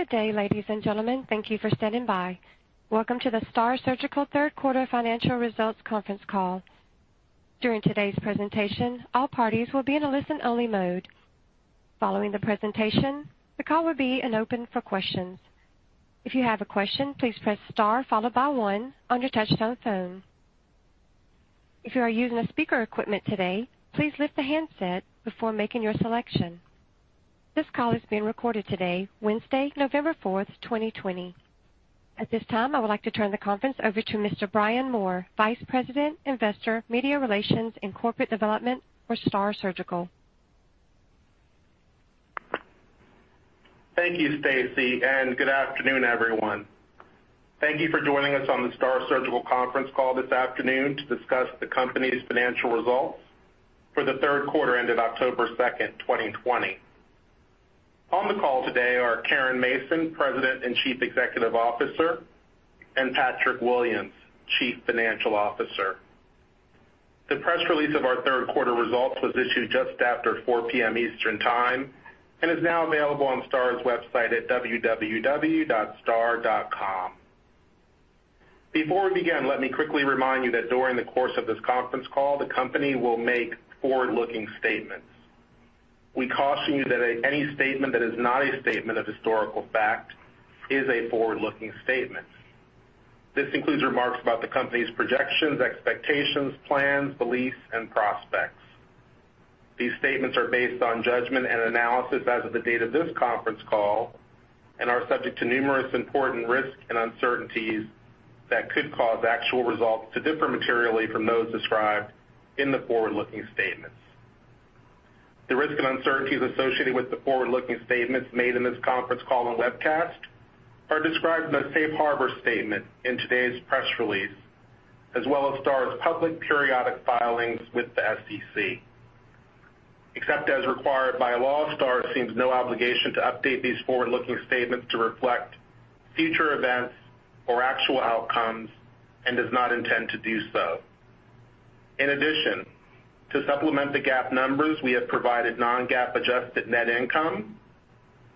Good day, ladies and gentlemen. Thank you for standing by. Welcome to the STAAR Surgical Third Quarter Financial Results Conference Call. During today's presentation, all parties will be in a listen-only mode. Following the presentation, the call will be then open for questions. If you have a question please press star followed by one on your touch tone phone. If you are using a speaker equipment today, please raise the handset before making your selection. This call is being recorded today, Wednesday, November 4th, 2020. At this time, I would like to turn the conference over to Mr. Brian Moore, Vice President, Investor, Media Relations, and Corporate Development for STAAR Surgical. Thank you, Stacy. Good afternoon, everyone. Thank you for joining us on the STAAR Surgical conference call this afternoon to discuss the company's financial results for the third quarter ended October 2nd, 2020. On the call today are Caren Mason, President and Chief Executive Officer, and Patrick Williams, Chief Financial Officer. The press release of our third quarter results was issued just after 4:00 P.M. Eastern Time and is now available on STAAR's website at www.staar.com. Before we begin, let me quickly remind you that during the course of this conference call, the company will make forward-looking statements. We caution you that any statement that is not a statement of historical fact is a forward-looking statement. This includes remarks about the company's projections, expectations, plans, beliefs, and prospects. These statements are based on judgment and analysis as of the date of this conference call and are subject to numerous important risks and uncertainties that could cause actual results to differ materially from those described in the forward-looking statements. The risks and uncertainties associated with the forward-looking statements made in this conference call and webcast are described in the safe harbor statement in today's press release, as well as STAAR's public periodic filings with the SEC. Except as required by law, STAAR assumes no obligation to update these forward-looking statements to reflect future events or actual outcomes and does not intend to do so. In addition, to supplement the GAAP numbers, we have provided non-GAAP adjusted net income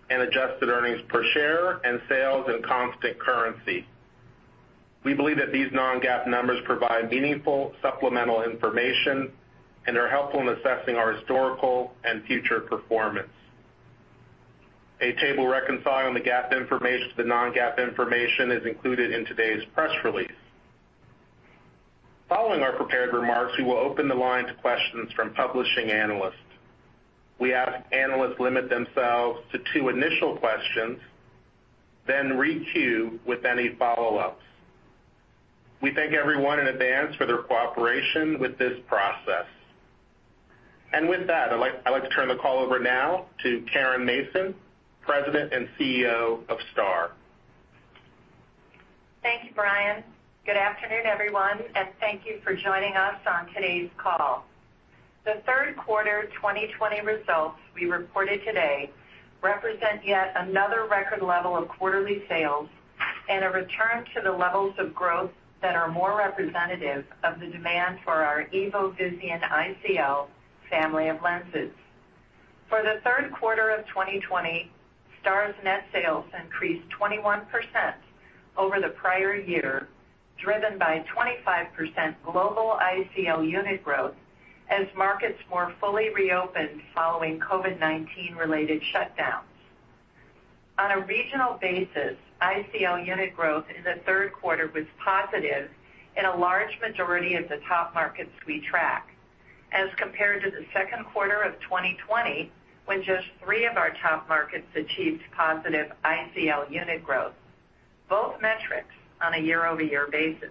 and adjusted earnings per share and sales in constant currency. We believe that these non-GAAP numbers provide meaningful supplemental information and are helpful in assessing our historical and future performance. A table reconciling the GAAP information to the non-GAAP information is included in today's press release. Following our prepared remarks, we will open the line to questions from publishing analysts. We ask analysts limit themselves to two initial questions, then re-queue with any follow-ups. We thank everyone in advance for their cooperation with this process. With that, I'd like to turn the call over now to Caren Mason, President and CEO of STAAR. Thank you, Brian. Good afternoon, everyone, and thank you for joining us on today's call. The third quarter 2020 results we reported today represent yet another record level of quarterly sales and a return to the levels of growth that are more representative of the demand for our EVO Visian ICL family of lenses. For the third quarter of 2020, STAAR's net sales increased 21% over the prior year, driven by 25% global ICL unit growth as markets more fully reopened following COVID-19-related shutdowns. On a regional basis, ICL unit growth in the third quarter was positive in a large majority of the top markets we track as compared to the second quarter of 2020, when just three of our top markets achieved positive ICL unit growth, both metrics on a year-over-year basis.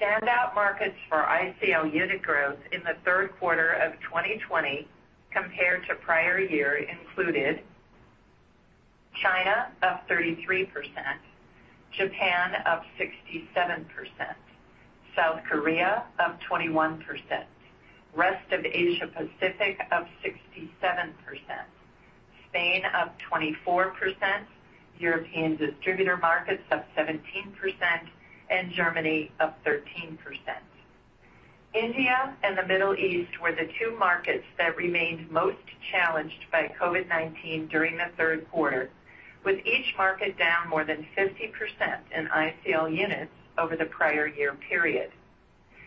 Standout markets for ICL unit growth in the third quarter of 2020 compared to prior year included China up 33%, Japan up 67%, South Korea up 21%, rest of Asia-Pacific up 67%, Spain up 24%, European distributor markets up 17%, and Germany up 13%. India and the Middle East were the two markets that remained most challenged by COVID-19 during the third quarter, with each market down more than 50% in ICL units over the prior year period.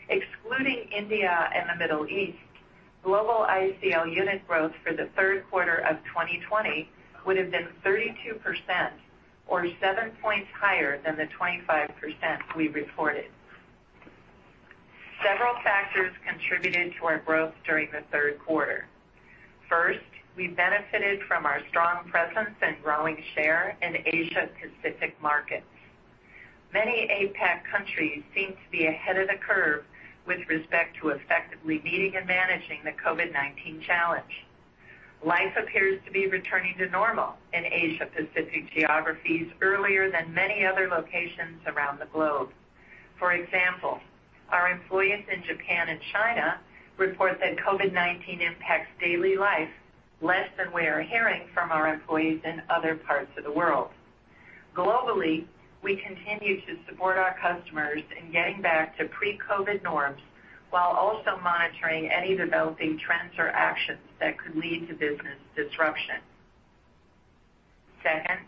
Excluding India and the Middle East, global ICL unit growth for the third quarter of 2020 would have been 32%, or seven points higher than the 25% we reported. Several factors contributed to our growth during the third quarter. First, we benefited from our strong presence and growing share in Asia-Pacific markets. Many APAC countries seem to be ahead of the curve with respect to effectively meeting and managing the COVID-19 challenge. Life appears to be returning to normal in Asia-Pacific geographies earlier than many other locations around the globe. For example, our employees in Japan and China report that COVID-19 impacts daily life less than we are hearing from our employees in other parts of the world. Globally, we continue to support our customers in getting back to pre-COVID norms while also monitoring any developing trends or actions that could lead to business disruption. Second,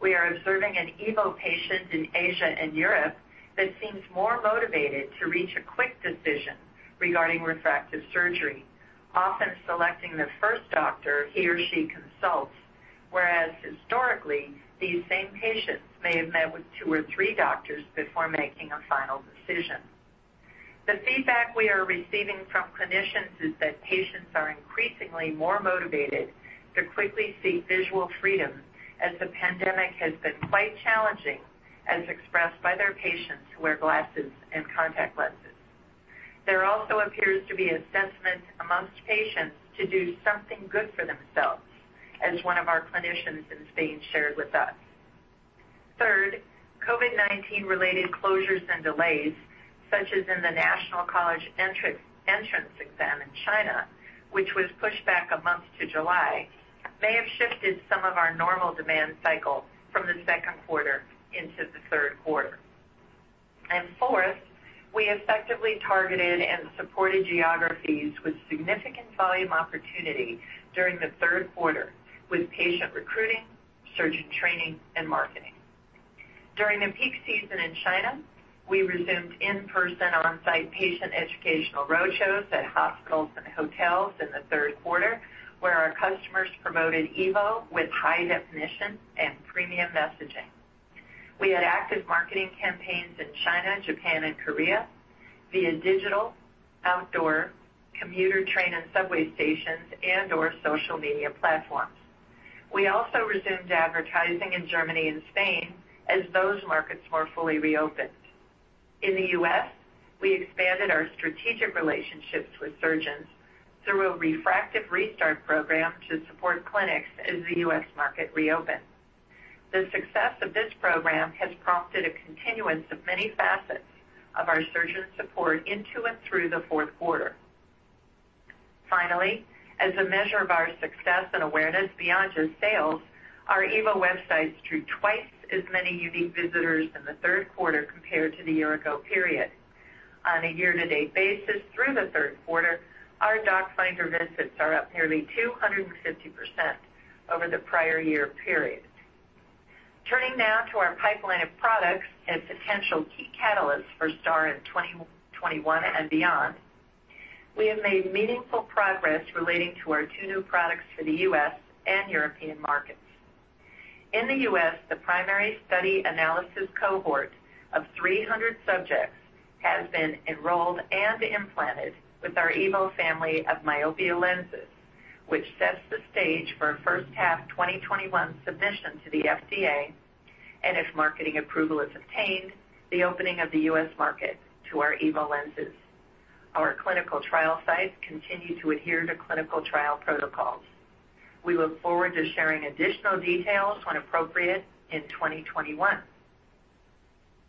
we are observing an EVO patient in Asia and Europe that seems more motivated to reach a quick decision regarding refractive surgery, often selecting the first doctor he or she consults, whereas historically, these same patients may have met with two or three doctors before making a final decision. The feedback we are receiving from clinicians is that patients are increasingly more motivated to quickly see visual freedom as the pandemic has been quite challenging as expressed by their patients who wear glasses and contact lenses. There also appears to be a sentiment amongst patients to do something good for themselves as one of our clinicians in Spain shared with us. Third, COVID-19 related closures and delays, such as in the National College Entrance Exam in China, which was pushed back a month to July, may have shifted some of our normal demand cycle from the second quarter into the third quarter. Fourth, we effectively targeted and supported geographies with significant volume opportunity during the third quarter with patient recruiting, surgeon training, and marketing. During the peak season in China, we resumed in-person, on-site patient educational roadshows at hospitals and hotels in the third quarter, where our customers promoted EVO with high definition and premium messaging. We had active marketing campaigns in China, Japan, and Korea via digital, outdoor, commuter train and subway stations, and/or social media platforms. We also resumed advertising in Germany and Spain as those markets more fully reopened. In the U.S., we expanded our strategic relationships with surgeons through a Refractive Restart Program to support clinics as the U.S. market reopened. The success of this program has prompted a continuance of many facets of our surgeon support into and through the fourth quarter. Finally, as a measure of our success and awareness beyond just sales, our EVO websites drew twice as many unique visitors in the third quarter compared to the year ago period. On a year-to-date basis through the third quarter, our Doc Finder visits are up nearly 250% over the prior year period. Turning now to our pipeline of products and potential key catalysts for STAAR in 2021 and beyond. We have made meaningful progress relating to our two new products for the U.S. and European markets. In the U.S., the primary study analysis cohort of 300 subjects has been enrolled and implanted with our EVO family of myopia lenses, which sets the stage for a first half 2021 submission to the FDA, and if marketing approval is obtained, the opening of the U.S. market to our EVO lenses. Our clinical trial sites continue to adhere to clinical trial protocols. We look forward to sharing additional details when appropriate in 2021.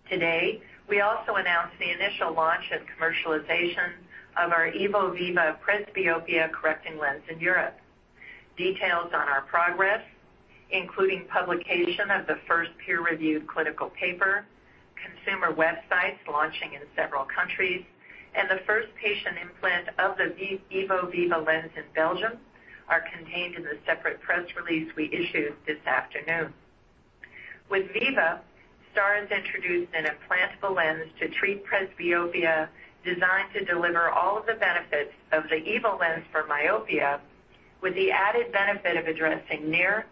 Today, we also announced the initial launch and commercialization of our EVO Viva presbyopia-correcting lens in Europe. Details on our progress, including publication of the first peer-reviewed clinical paper, consumer websites launching in several countries, and the first patient implant of the EVO Viva lens in Belgium, are contained in the separate press release we issued this afternoon. With Viva, STAAR has introduced an implantable lens to treat presbyopia, designed to deliver all of the benefits of the EVO lens for myopia, with the added benefit of addressing near,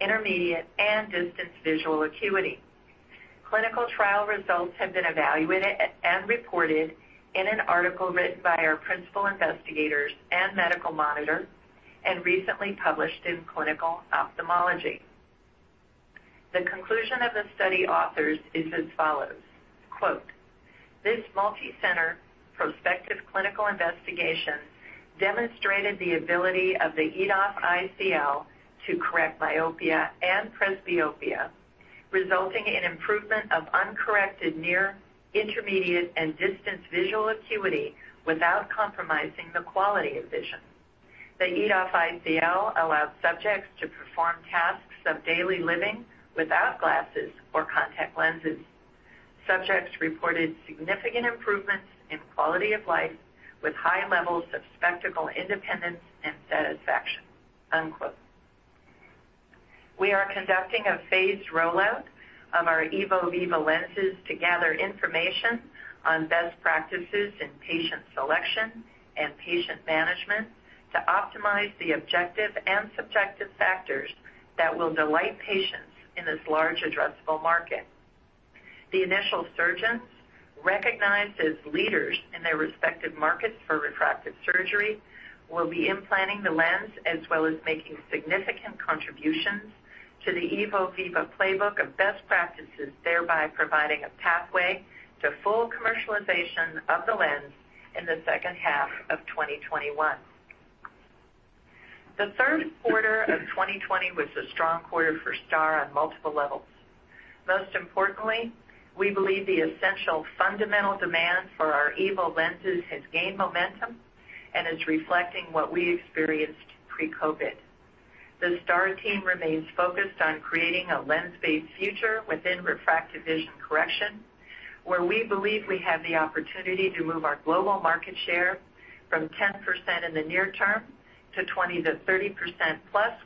intermediate, and distance visual acuity. Clinical trial results have been evaluated and reported in an article written by our principal investigators and medical monitor and recently published in "Clinical Ophthalmology." The conclusion of the study authors is as follows, quote, "This multicenter prospective clinical investigation demonstrated the ability of the EDOF ICL to correct myopia and presbyopia, resulting in improvement of uncorrected near, intermediate, and distance visual acuity without compromising the quality of vision. The EDOF ICL allowed subjects to perform tasks of daily living without glasses or contact lenses. Subjects reported significant improvements in quality of life with high levels of spectacle independence and satisfaction. Unquote. We are conducting a phased rollout of our EVO Viva lenses to gather information on best practices in patient selection and patient management to optimize the objective and subjective factors that will delight patients in this large addressable market. The initial surgeons, recognized as leaders in their respective markets for refractive surgery, will be implanting the lens as well as making significant contributions to the EVO Viva playbook of best practices, thereby providing a pathway to full commercialization of the lens in the second half of 2021. The third quarter of 2020 was a strong quarter for STAAR on multiple levels. Most importantly, we believe the essential fundamental demand for our EVO lenses has gained momentum and is reflecting what we experienced pre-COVID. The STAAR team remains focused on creating a lens-based future within refractive vision correction, where we believe we have the opportunity to move our global market share from 10% in the near term to 20%-30%+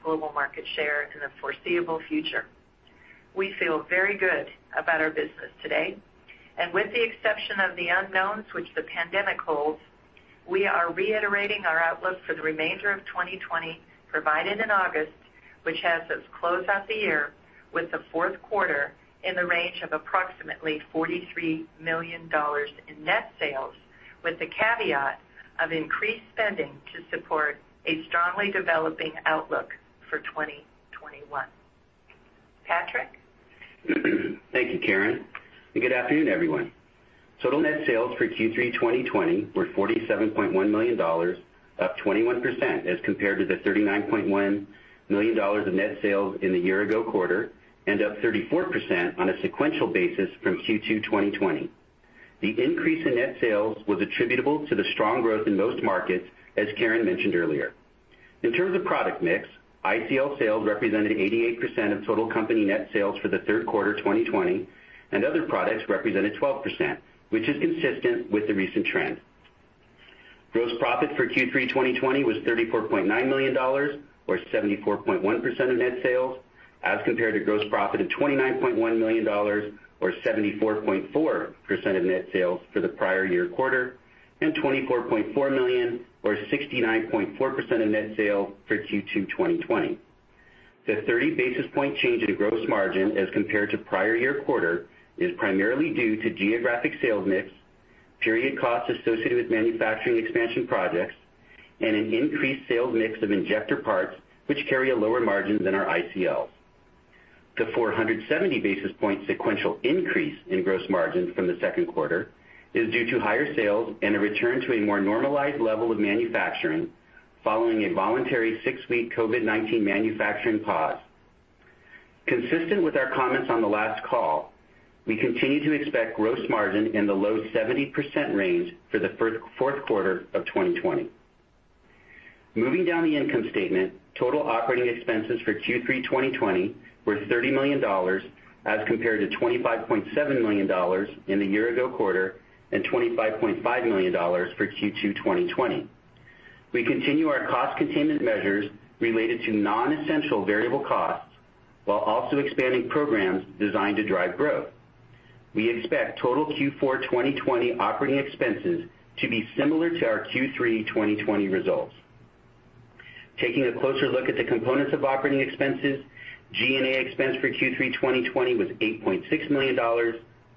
global market share in the foreseeable future. We feel very good about our business today. With the exception of the unknowns which the pandemic holds, we are reiterating our outlook for the remainder of 2020 provided in August, which has us close out the year with the fourth quarter in the range of approximately $43 million in net sales, with the caveat of increased spending to support a strongly developing outlook for 2021. Patrick. Thank you, Caren, and good afternoon, everyone. Total net sales for Q3 2020 were $47.1 million, up 21% as compared to the $39.1 million in net sales in the year ago quarter, and up 34% on a sequential basis from Q2 2020. The increase in net sales was attributable to the strong growth in most markets, as Caren mentioned earlier. In terms of product mix, ICL sales represented 88% of total company net sales for the third quarter 2020, and other products represented 12%, which is consistent with the recent trend. Gross profit for Q3 2020 was $34.9 million, or 74.1% of net sales as compared to gross profit of $29.1 million, or 74.4% of net sales for the prior year quarter, and $24.4 million or 69.4% of net sales for Q2 2020. The 30 basis point change in the gross margin as compared to prior year quarter is primarily due to geographic sales mix, period costs associated with manufacturing expansion projects, and an increased sales mix of injector parts which carry a lower margin than our ICL. The 470 basis point sequential increase in gross margins from the second quarter is due to higher sales and a return to a more normalized level of manufacturing following a voluntary six-week COVID-19 manufacturing pause. Consistent with our comments on the last call, we continue to expect gross margin in the low 70% range for the fourth quarter of 2020. Moving down the income statement, total operating expenses for Q3 2020 were $30 million as compared to $25.7 million in the year ago quarter and $25.5 million for Q2 2020. We continue our cost containment measures related to non-essential variable costs while also expanding programs designed to drive growth. We expect total Q4 2020 operating expenses to be similar to our Q3 2020 results. Taking a closer look at the components of operating expenses, G&A expense for Q3 2020 was $8.6 million,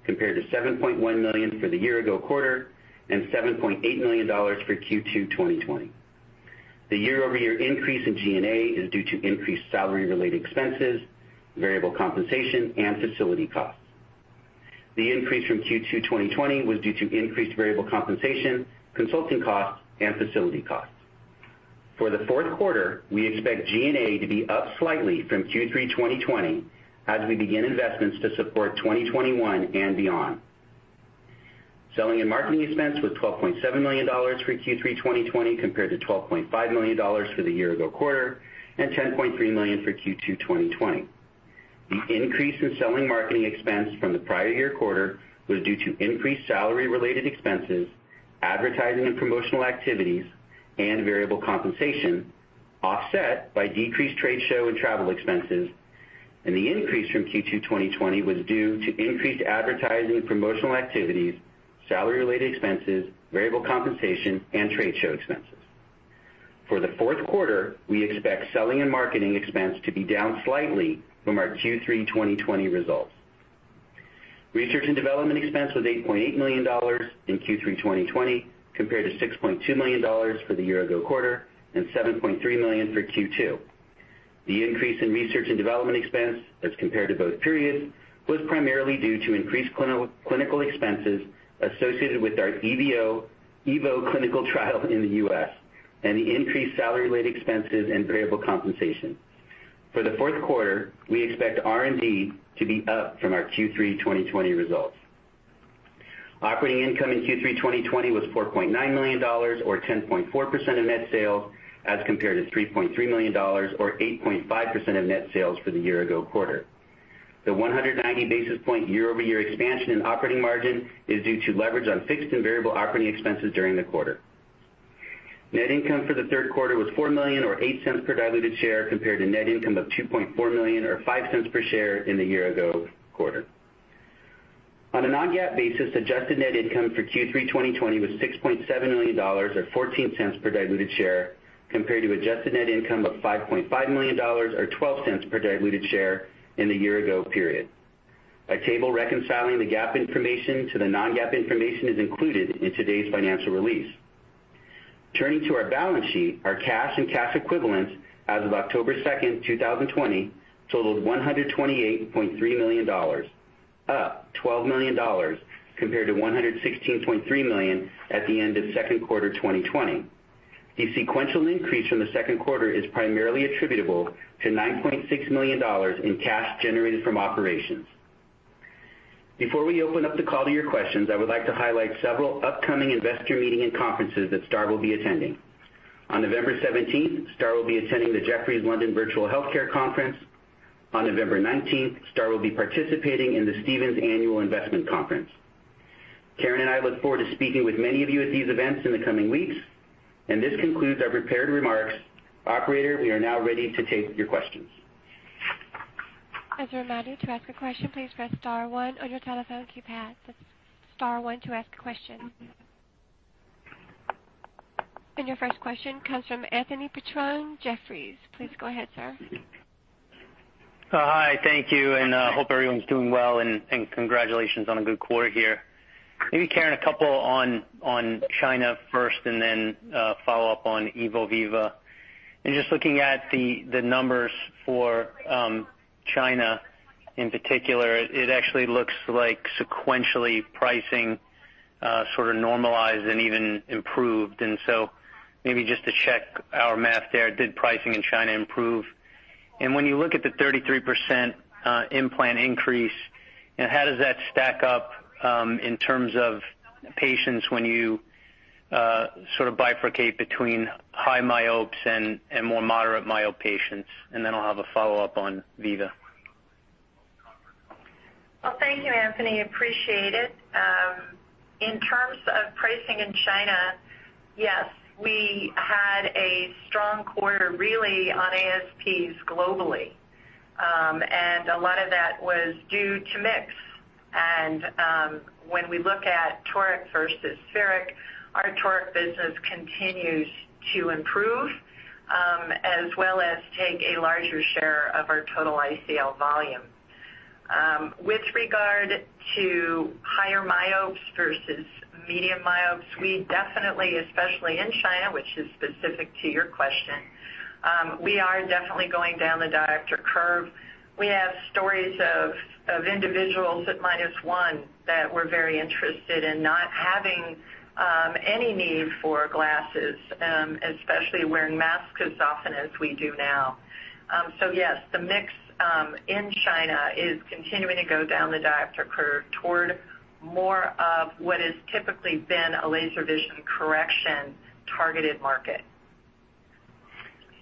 compared to $7.1 million for the year ago quarter and $7.8 million for Q2 2020. The year-over-year increase in G&A is due to increased salary-related expenses, variable compensation, and facility costs. The increase from Q2 2020 was due to increased variable compensation, consulting costs, and facility costs. For the fourth quarter, we expect G&A to be up slightly from Q3 2020 as we begin investments to support 2021 and beyond. Selling and marketing expense was $12.7 million for Q3 2020 compared to $12.5 million for the year ago quarter and $10.3 million for Q2 2020. The increase in selling marketing expense from the prior year quarter was due to increased salary-related expenses, advertising and promotional activities, and variable compensation, offset by decreased trade show and travel expenses. The increase from Q2 2020 was due to increased advertising and promotional activities, salary-related expenses, variable compensation, and trade show expenses. For the fourth quarter, we expect selling and marketing expense to be down slightly from our Q3 2020 results. Research and development expense was $8.8 million in Q3 2020 compared to $6.2 million for the year ago quarter and $7.3 million for Q2. The increase in research and development expense as compared to both periods was primarily due to increased clinical expenses associated with our EVO clinical trial in the U.S. and the increased salary-related expenses and variable compensation. For the fourth quarter, we expect R&D to be up from our Q3 2020 results. Operating income in Q3 2020 was $4.9 million or 10.4% of net sales as compared to $3.3 million or 8.5% of net sales for the year ago quarter. The 190 basis point year-over-year expansion in operating margin is due to leverage on fixed and variable operating expenses during the quarter. Net income for the third quarter was $4 million or $0.08 per diluted share compared to net income of $2.4 million or $0.05 per share in the year ago quarter. On a non-GAAP basis, adjusted net income for Q3 2020 was $6.7 million or $0.14 per diluted share compared to adjusted net income of $5.5 million or $0.12 per diluted share in the year ago period. A table reconciling the GAAP information to the non-GAAP information is included in today's financial release. Turning to our balance sheet, our cash and cash equivalents as of October 2nd, 2020 totaled $128.3 million, up $12 million compared to $116.3 million at the end of second quarter 2020. The sequential increase from the second quarter is primarily attributable to $9.6 million in cash generated from operations. Before we open up the call to your questions, I would like to highlight several upcoming investor meeting and conferences that STAAR will be attending. On November 17th, STAAR will be attending the Jefferies London Virtual Healthcare Conference. On November 19th, STAAR will be participating in the Stifel Healthcare Conference. Caren and I look forward to speaking with many of you at these events in the coming weeks. This concludes our prepared remarks. Operator, we are now ready to take your questions. As a reminder, to ask a question, please press star one on your telephone keypad. That's star one to ask a question. Your first question comes from Anthony Petrone, Jefferies. Please go ahead, sir. Hi, thank you, and hope everyone's doing well, and congratulations on a good quarter here. Maybe, Caren, a couple on China first, then follow up on EVO Viva. In just looking at the numbers for China in particular, it actually looks like sequentially pricing sort of normalized and even improved. Maybe just to check our math there, did pricing in China improve? When you look at the 33% implant increase, how does that stack up in terms of patients when you sort of bifurcate between high myopes and more moderate myope patients? I'll have a follow-up on Viva. Well, thank you, Anthony. Appreciate it. In terms of pricing in China, yes, we had a strong quarter really on ASPs globally. A lot of that was due to mix. When we look at toric versus spheric, our toric business continues to improve as well as take a larger share of our total ICL volume. With regard to higher myopes versus medium myopes, we definitely, especially in China, which is specific to your question, we are definitely going down the diopter curve. We have stories of individuals at minus one that were very interested in not having any need for glasses, especially wearing masks as often as we do now. Yes, the mix in China is continuing to go down the diopter curve toward more of what has typically been a laser vision correction targeted market.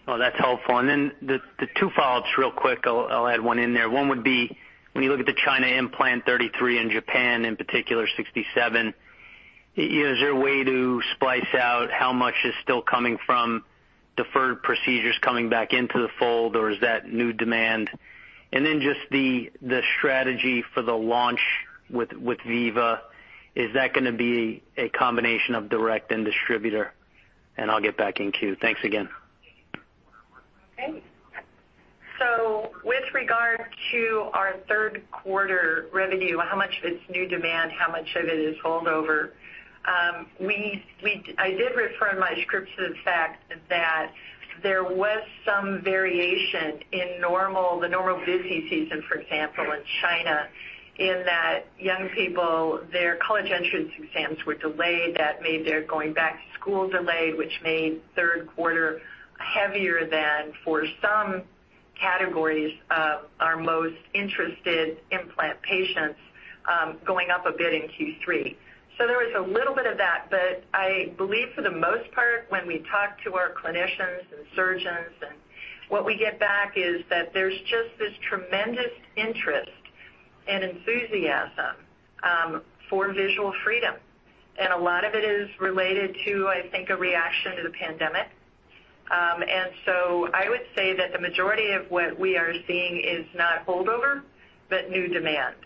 Well, that's helpful. Then the two follow-ups real quick, I'll add one in there. One would be when you look at the China implant 33 and Japan in particular, 67, is there a way to splice out how much is still coming from deferred procedures coming back into the fold, or is that new demand? Then just the strategy for the launch with Viva, is that going to be a combination of direct and distributor? I'll get back in queue. Thanks again. Okay. With regard to our third quarter revenue, how much of it's new demand, how much of it is holdover, I did refer in my script to the fact that there was some variation in the normal busy season, for example, in China, in that young people, their college entrance exams were delayed. That made their going back to school delayed, which made third quarter heavier than for some categories of our most interested implant patients going up a bit in Q3. There was a little bit of that, but I believe for the most part, when we talk to our clinicians and surgeons, and what we get back is that there's just this tremendous interest and enthusiasm for visual freedom. A lot of it is related to, I think, a reaction to the pandemic. I would say that the majority of what we are seeing is not holdover, but new demand.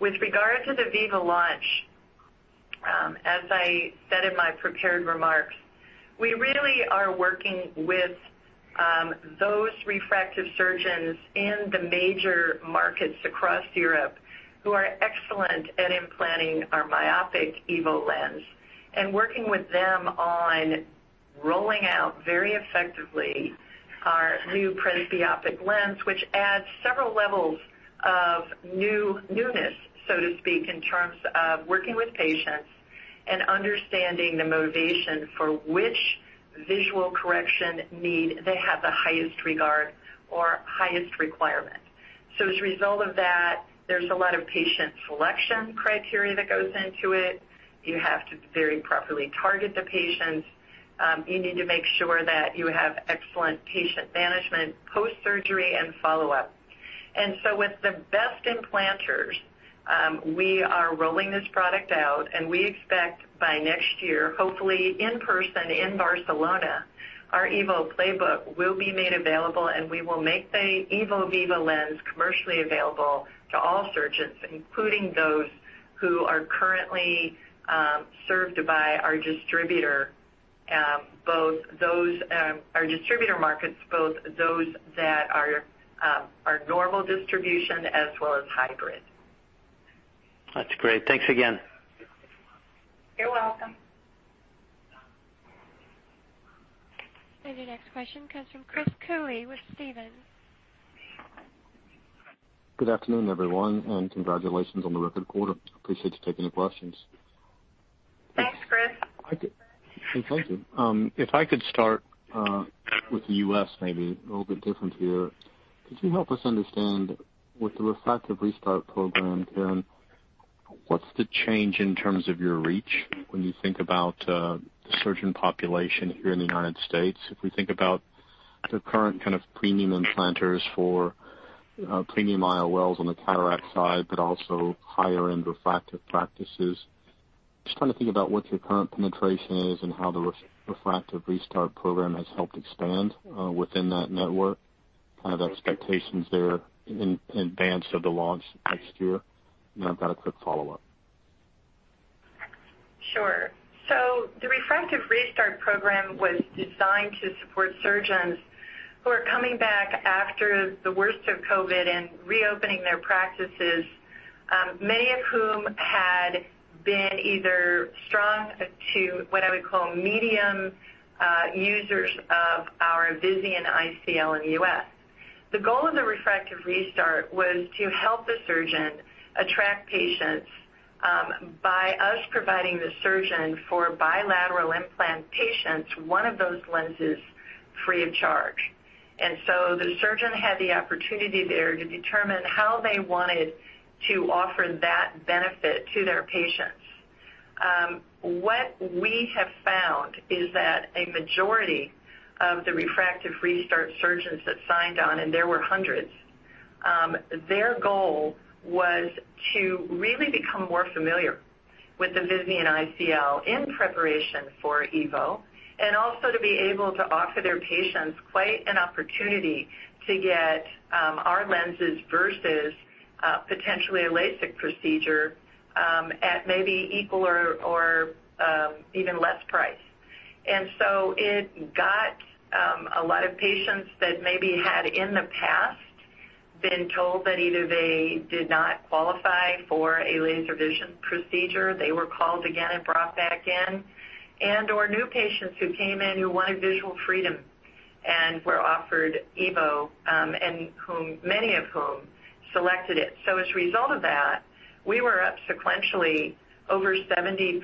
With regard to the Viva launch, as I said in my prepared remarks, we really are working with those refractive surgeons in the major markets across Europe who are excellent at implanting our myopic EVO lens and working with them on rolling out very effectively our new presbyopic lens, which adds several levels of newness, so to speak, in terms of working with patients and understanding the motivation for which visual correction need they have the highest regard or highest requirement. As a result of that, there's a lot of patient selection criteria that goes into it. You have to very properly target the patients. You need to make sure that you have excellent patient management post-surgery and follow-up. With the best implanters we are rolling this product out, and we expect by next year, hopefully in person in Barcelona, our EVO playbook will be made available, and we will make the EVO Viva lens commercially available to all surgeons, including those who are currently served by our distributor markets, both those that are our normal distribution as well as hybrid. That's great. Thanks again. You're welcome. Your next question comes from Chris Cooley with Stephens. Good afternoon, everyone. Congratulations on the record quarter. Appreciate you taking the questions. I did. Thank you. If I could start with the U.S., maybe a little bit different here. Could you help us understand with the Refractive Restart Program, Caren, what's the change in terms of your reach when you think about the surgeon population here in the United States? If we think about the current kind of premium implanters for premium IOLs on the cataract side, but also higher-end refractive practices, just trying to think about what your current penetration is and how the Refractive Restart Program has helped expand within that network, kind of expectations there in advance of the launch next year. I've got a quick follow-up. The Refractive Restart Program was designed to support surgeons who are coming back after the worst of COVID-19 and reopening their practices, many of whom had been either strong to what I would call medium users of our Visian ICL in the U.S. The goal of the Refractive Restart was to help the surgeon attract patients by us providing the surgeon for bilateral implant patients, one of those lenses free of charge. The surgeon had the opportunity there to determine how they wanted to offer that benefit to their patients. What we have found is that a majority of the Refractive Restart surgeons that signed on, and there were hundreds, their goal was to really become more familiar with the Visian ICL in preparation for EVO, and also to be able to offer their patients quite an opportunity to get our lenses versus potentially a LASIK procedure at maybe equal or even less price. It got a lot of patients that maybe had in the past been told that either they did not qualify for a laser vision procedure, they were called again and brought back in, and/or new patients who came in who wanted visual freedom and were offered EVO, and many of whom selected it. As a result of that, we were up sequentially over 70%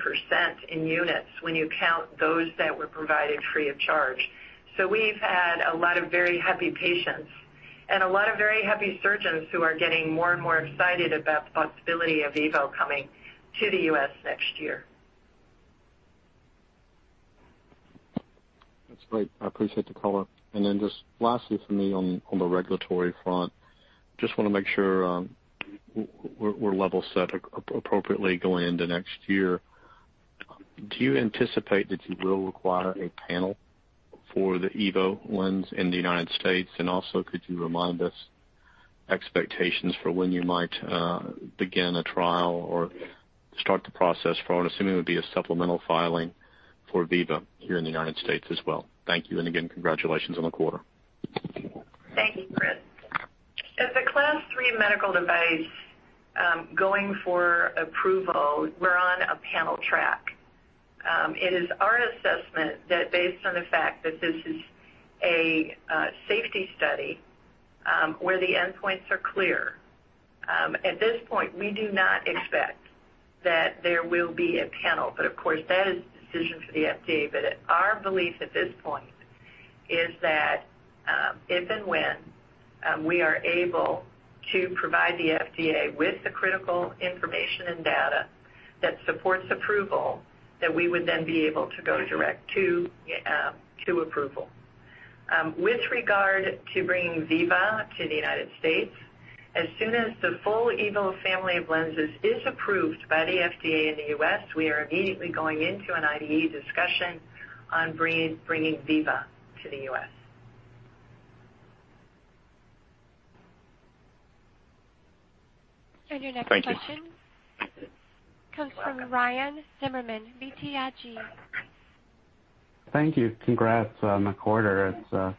in units when you count those that were provided free of charge. We've had a lot of very happy patients and a lot of very happy surgeons who are getting more and more excited about the possibility of EVO coming to the U.S. next year. That's great. I appreciate the color. Then just lastly from me on the regulatory front, just want to make sure we're level set appropriately going into next year. Do you anticipate that you will require a panel for the EVO lens in the United States? Also, could you remind us expectations for when you might begin a trial or start the process for what I'm assuming would be a supplemental filing for Viva here in the United States as well? Thank you, and again, congratulations on the quarter. Thank you, Chris. As a Class III medical device going for approval, we're on a panel track. It is our assessment that based on the fact that this is a safety study where the endpoints are clear, at this point, we do not expect that there will be a panel. Of course, that is the decision for the FDA. Our belief at this point is that if and when we are able to provide the FDA with the critical information and data that supports approval, that we would then be able to go direct to approval. With regard to bringing Viva to the United States, as soon as the full EVO family of lenses is approved by the FDA in the U.S., we are immediately going into an IDE discussion on bringing Viva to the U.S. Your next question. Thank you. Comes from Ryan Zimmerman, BTIG. Thank you. Congrats on the quarter. It's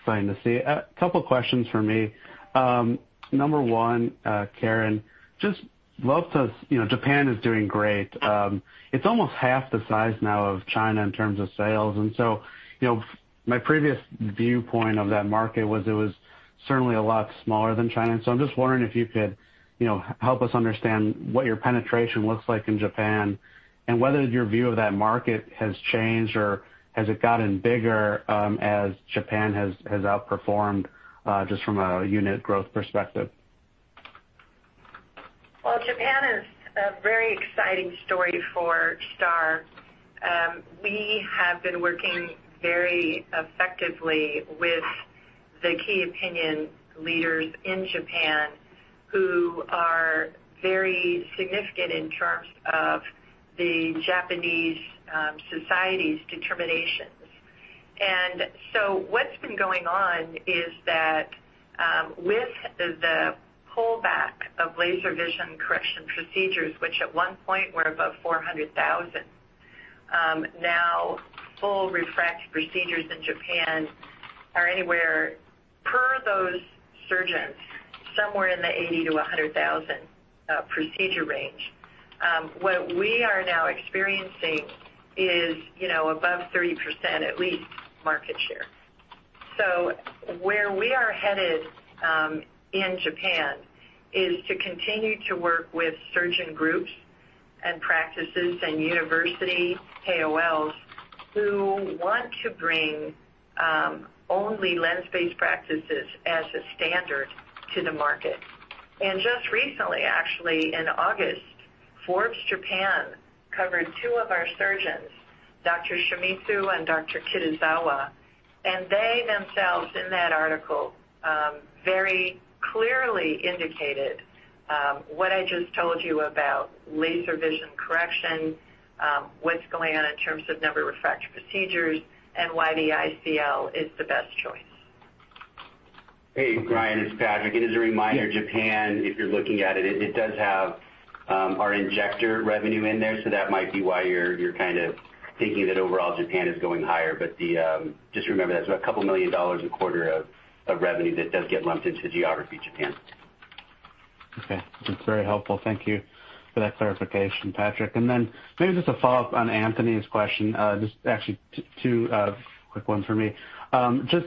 exciting to see. A couple questions for me. Number one, Caren, Japan is doing great. It's almost half the size now of China in terms of sales, and so my previous viewpoint of that market was it was certainly a lot smaller than China. I'm just wondering if you could help us understand what your penetration looks like in Japan and whether your view of that market has changed or has it gotten bigger as Japan has outperformed just from a unit growth perspective. Well, Japan is a very exciting story for STAAR. We have been working very effectively with the key opinion leaders in Japan who are very significant in terms of the Japanese society's determinations. What's been going on is that with the pullback of laser vision correction procedures, which at one point were above 400,000, now full refractive procedures in Japan are anywhere per those surgeons, somewhere in the 80,000-100,000 procedure range. What we are now experiencing is above 30%, at least market share. Where we are headed in Japan is to continue to work with surgeon groups and practices and university KOLs who want to bring only lens-based practices as a standard to the market. Just recently, actually, in August, Forbes Japan covered two of our surgeons, Dr. Shimizu and Dr. Kitazawa, and they themselves, in that article, very clearly indicated what I just told you about laser vision correction, what's going on in terms of number of refractor procedures, and why the ICL is the best choice. Hey, Brian, it's Patrick. Just a reminder, Japan, if you're looking at it, does have our injector revenue in there, so that might be why you're thinking that overall Japan is going higher. Just remember, that's a couple million USD a quarter of revenue that does get lumped into geography Japan. Okay. That's very helpful. Thank you for that clarification, Patrick. Maybe just a follow-up on Anthony's question, just actually two quick ones for me. Just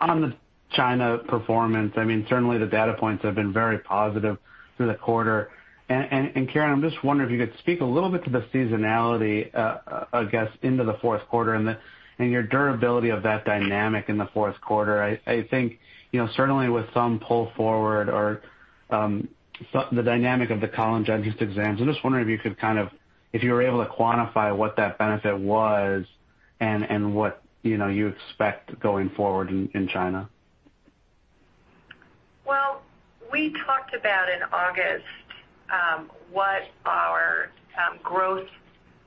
on the China performance, certainly the data points have been very positive through the quarter. Caren, I'm just wondering if you could speak a little bit to the seasonality, I guess, into the fourth quarter and your durability of that dynamic in the fourth quarter. I think, certainly with some pull forward or the dynamic of the college entrance exams, I'm just wondering if you were able to quantify what that benefit was and what you expect going forward in China. Well, we talked about in August what our growth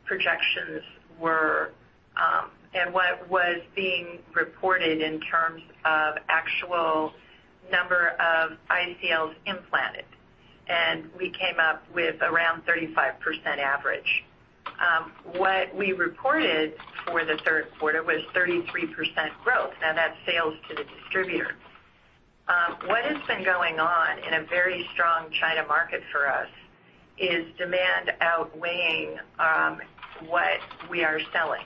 projections were and what was being reported in terms of the actual number of ICLs implanted, and we came up with around 35% average. What we reported for the third quarter was 33% growth. That's sales to the distributor. What has been going on in a very strong China market for us is demand outweighing what we are selling.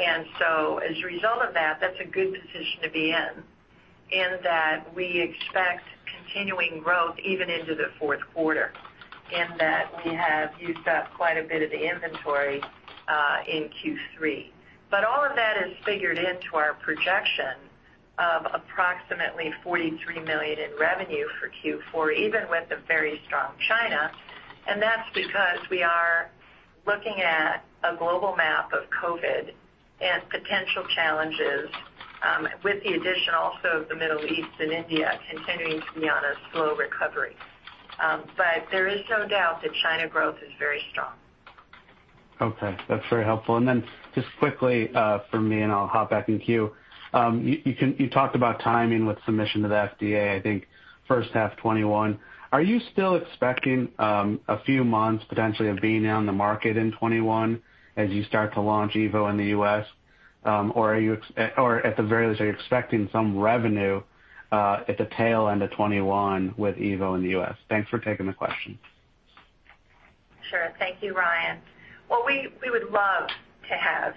As a result of that's a good position to be in that we expect continuing growth even into the fourth quarter, in that we have used up quite a bit of the inventory in Q3. All of that is figured into our projection of approximately $43 million in revenue for Q4, even with a very strong China. That's because we are looking at a global map of COVID-19 and potential challenges with the addition also of the Middle East and India continuing to be on a slow recovery. There is no doubt that China growth is very strong. Okay. That's very helpful. Just quickly from me, and I'll hop back in queue. You talked about timing with submission to the FDA, I think first half 2021. Are you still expecting a few months potentially of being on the market in 2021 as you start to launch EVO in the U.S.? At the very least, are you expecting some revenue at the tail end of 2021 with EVO in the U.S.? Thanks for taking the question. Sure. Thank you, Ryan. Well, we would love to have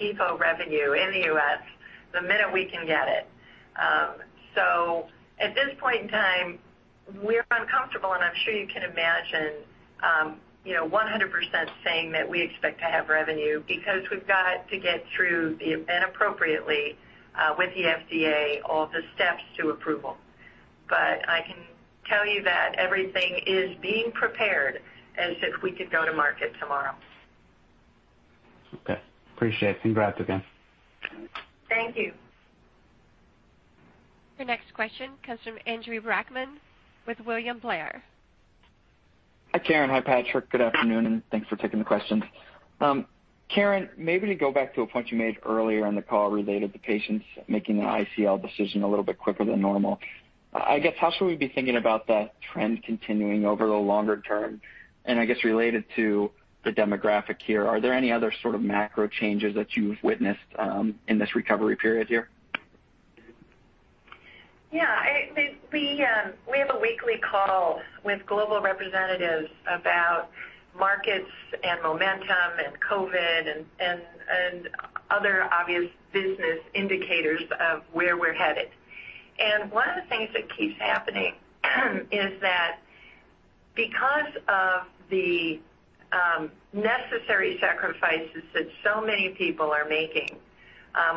EVO revenue in the U.S. the minute we can get it. At this point in time, we're uncomfortable, and I'm sure you can imagine 100% saying that we expect to have revenue because we've got to get through, and appropriately with the FDA, all the steps to approval. I can tell you that everything is being prepared as if we could go to market tomorrow. Okay. Appreciate it. Congrats again. Thank you. Your next question comes from Andrew Brackmann with William Blair. Hi, Caren. Hi, Patrick. Good afternoon, and thanks for taking the questions. Caren, maybe to go back to a point you made earlier in the call related to patients making the ICL decision a little bit quicker than normal. I guess, how should we be thinking about that trend continuing over the longer term? I guess related to the demographic here, are there any other sort of macro changes that you've witnessed in this recovery period here? Yeah. We have a weekly call with global representatives about markets and momentum and COVID-19 and other obvious business indicators of where we're headed. One of the things that keeps happening is that because of the necessary sacrifices that so many people are making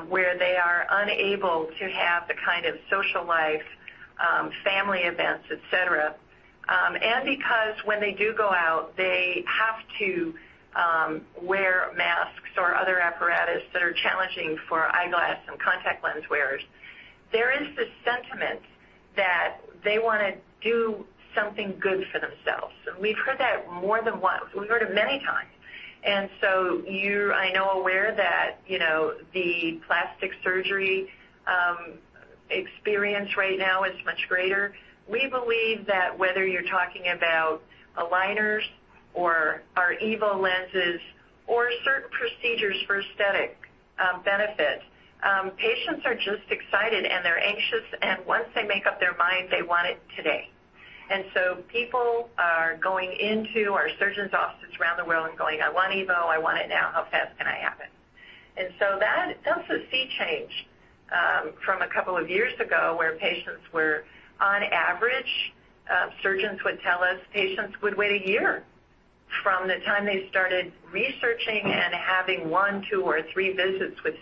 where they are unable to have the kind of social life, family events, et cetera, and because when they do go out, they have to wear masks or other apparatus that are challenging for eyeglass and contact lens wearers. There is this sentiment that they want to do something good for themselves. We've heard that more than once. We've heard it many times. You're, I know, aware that the plastic surgery experience right now is much greater. We believe that whether you're talking about aligners or our EVO lenses or certain procedures for aesthetic benefit, patients are just excited, and they're anxious, and once they make up their mind, they want it today. People are going into our surgeons' offices around the world and going, "I want EVO. I want it now. How fast can I have it?" That's a sea change from a couple of years ago, where patients were, on average, surgeons would tell us patients would wait a year from the time they started researching and having one, two, or three visits with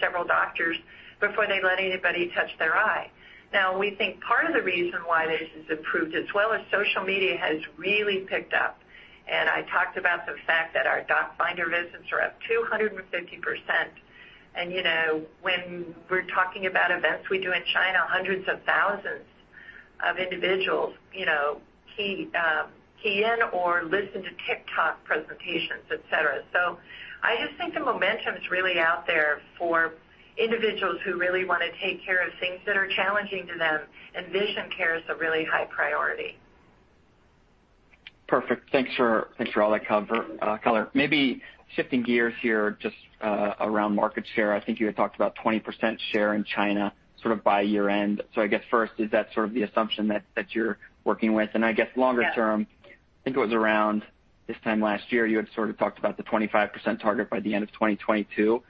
several doctors before they let anybody touch their eye. Now, we think part of the reason why this has improved as well is social media has really picked up. I talked about the fact that our Doc Finder visits are up 250%. When we're talking about events we do in China, hundreds of thousands of individuals key in or listen to TikTok presentations, et cetera. I just think the momentum is really out there for individuals who really want to take care of things that are challenging to them, and vision care is a really high priority. Perfect. Thanks for all that color. Maybe shifting gears here, just around market share. I think you had talked about 20% share in China sort of by year-end. I guess first, is that sort of the assumption that you're working with? I guess longer-term. Yes. I think it was around this time last year, you had sort of talked about the 25% target by the end of 2022.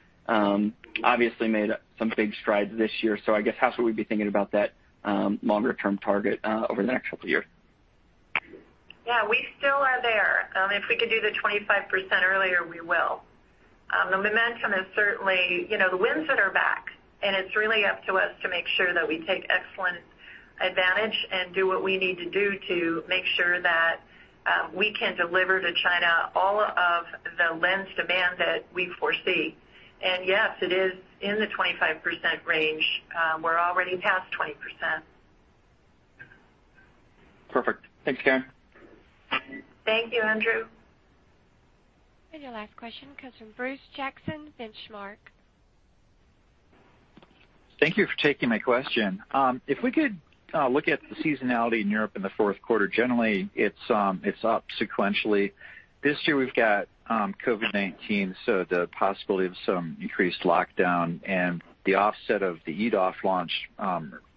Obviously made some big strides this year. I guess how should we be thinking about that longer-term target over the next couple of years? Yeah, we still are there. If we could do the 25% earlier, we will. The momentum is certainly, the winds that are back, it's really up to us to make sure that we take excellent advantage and do what we need to do to make sure that we can deliver to China all of the lens demand that we foresee. Yes, it is in the 25% range. We're already past 20%. Perfect. Thanks, Caren. Thank you, Andrew. Your last question comes from Bruce Jackson, Benchmark. Thank you for taking my question. If we could look at the seasonality in Europe in the fourth quarter, generally it's up sequentially. This year we've got COVID-19, so the possibility of some increased lockdown and the offset of the EDOF launch.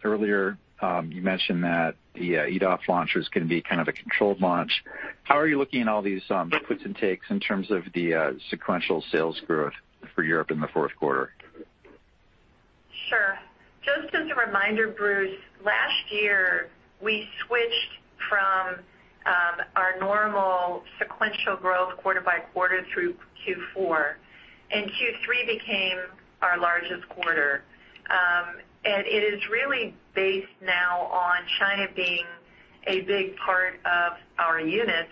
Earlier, you mentioned that the EDOF launch is going to be kind of a controlled launch. How are you looking at all these puts and takes in terms of the sequential sales growth for Europe in the fourth quarter? Sure. Just as a reminder, Bruce, last year we switched from our normal sequential growth quarter by quarter through Q4, and Q3 became our largest quarter. It is really based now on China being a big part of our units,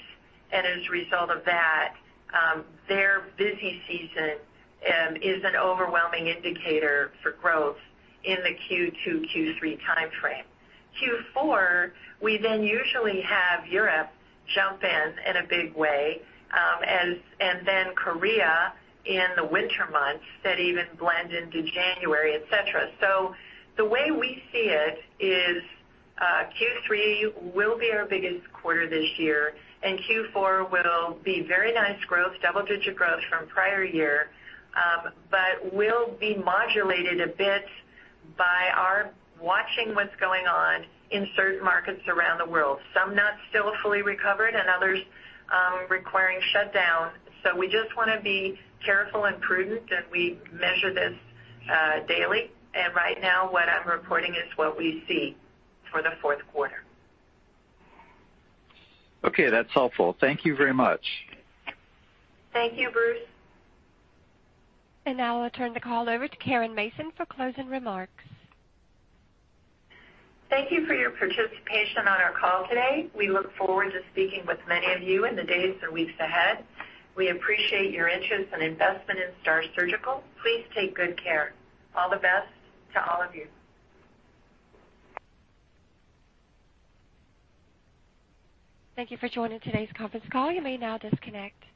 and as a result of that, their busy season is an overwhelming indicator for growth in the Q2, Q3 timeframe. Q4, we then usually have Europe jump in in a big way, and then Korea in the winter months that even blend into January, et cetera. The way we see it is Q3 will be our biggest quarter this year, and Q4 will be very nice growth, double-digit growth from prior year, but will be modulated a bit by our watching what's going on in certain markets around the world, some not still fully recovered and others requiring shutdown. We just want to be careful and prudent, and we measure this daily. Right now what I'm reporting is what we see for the fourth quarter. Okay, that's helpful. Thank you very much. Thank you, Bruce. Now I turn the call over to Caren Mason for closing remarks. Thank you for your participation on our call today. We look forward to speaking with many of you in the days or weeks ahead. We appreciate your interest and investment in STAAR Surgical. Please take good care. All the best to all of you. Thank you for joining today's conference call. You may now disconnect.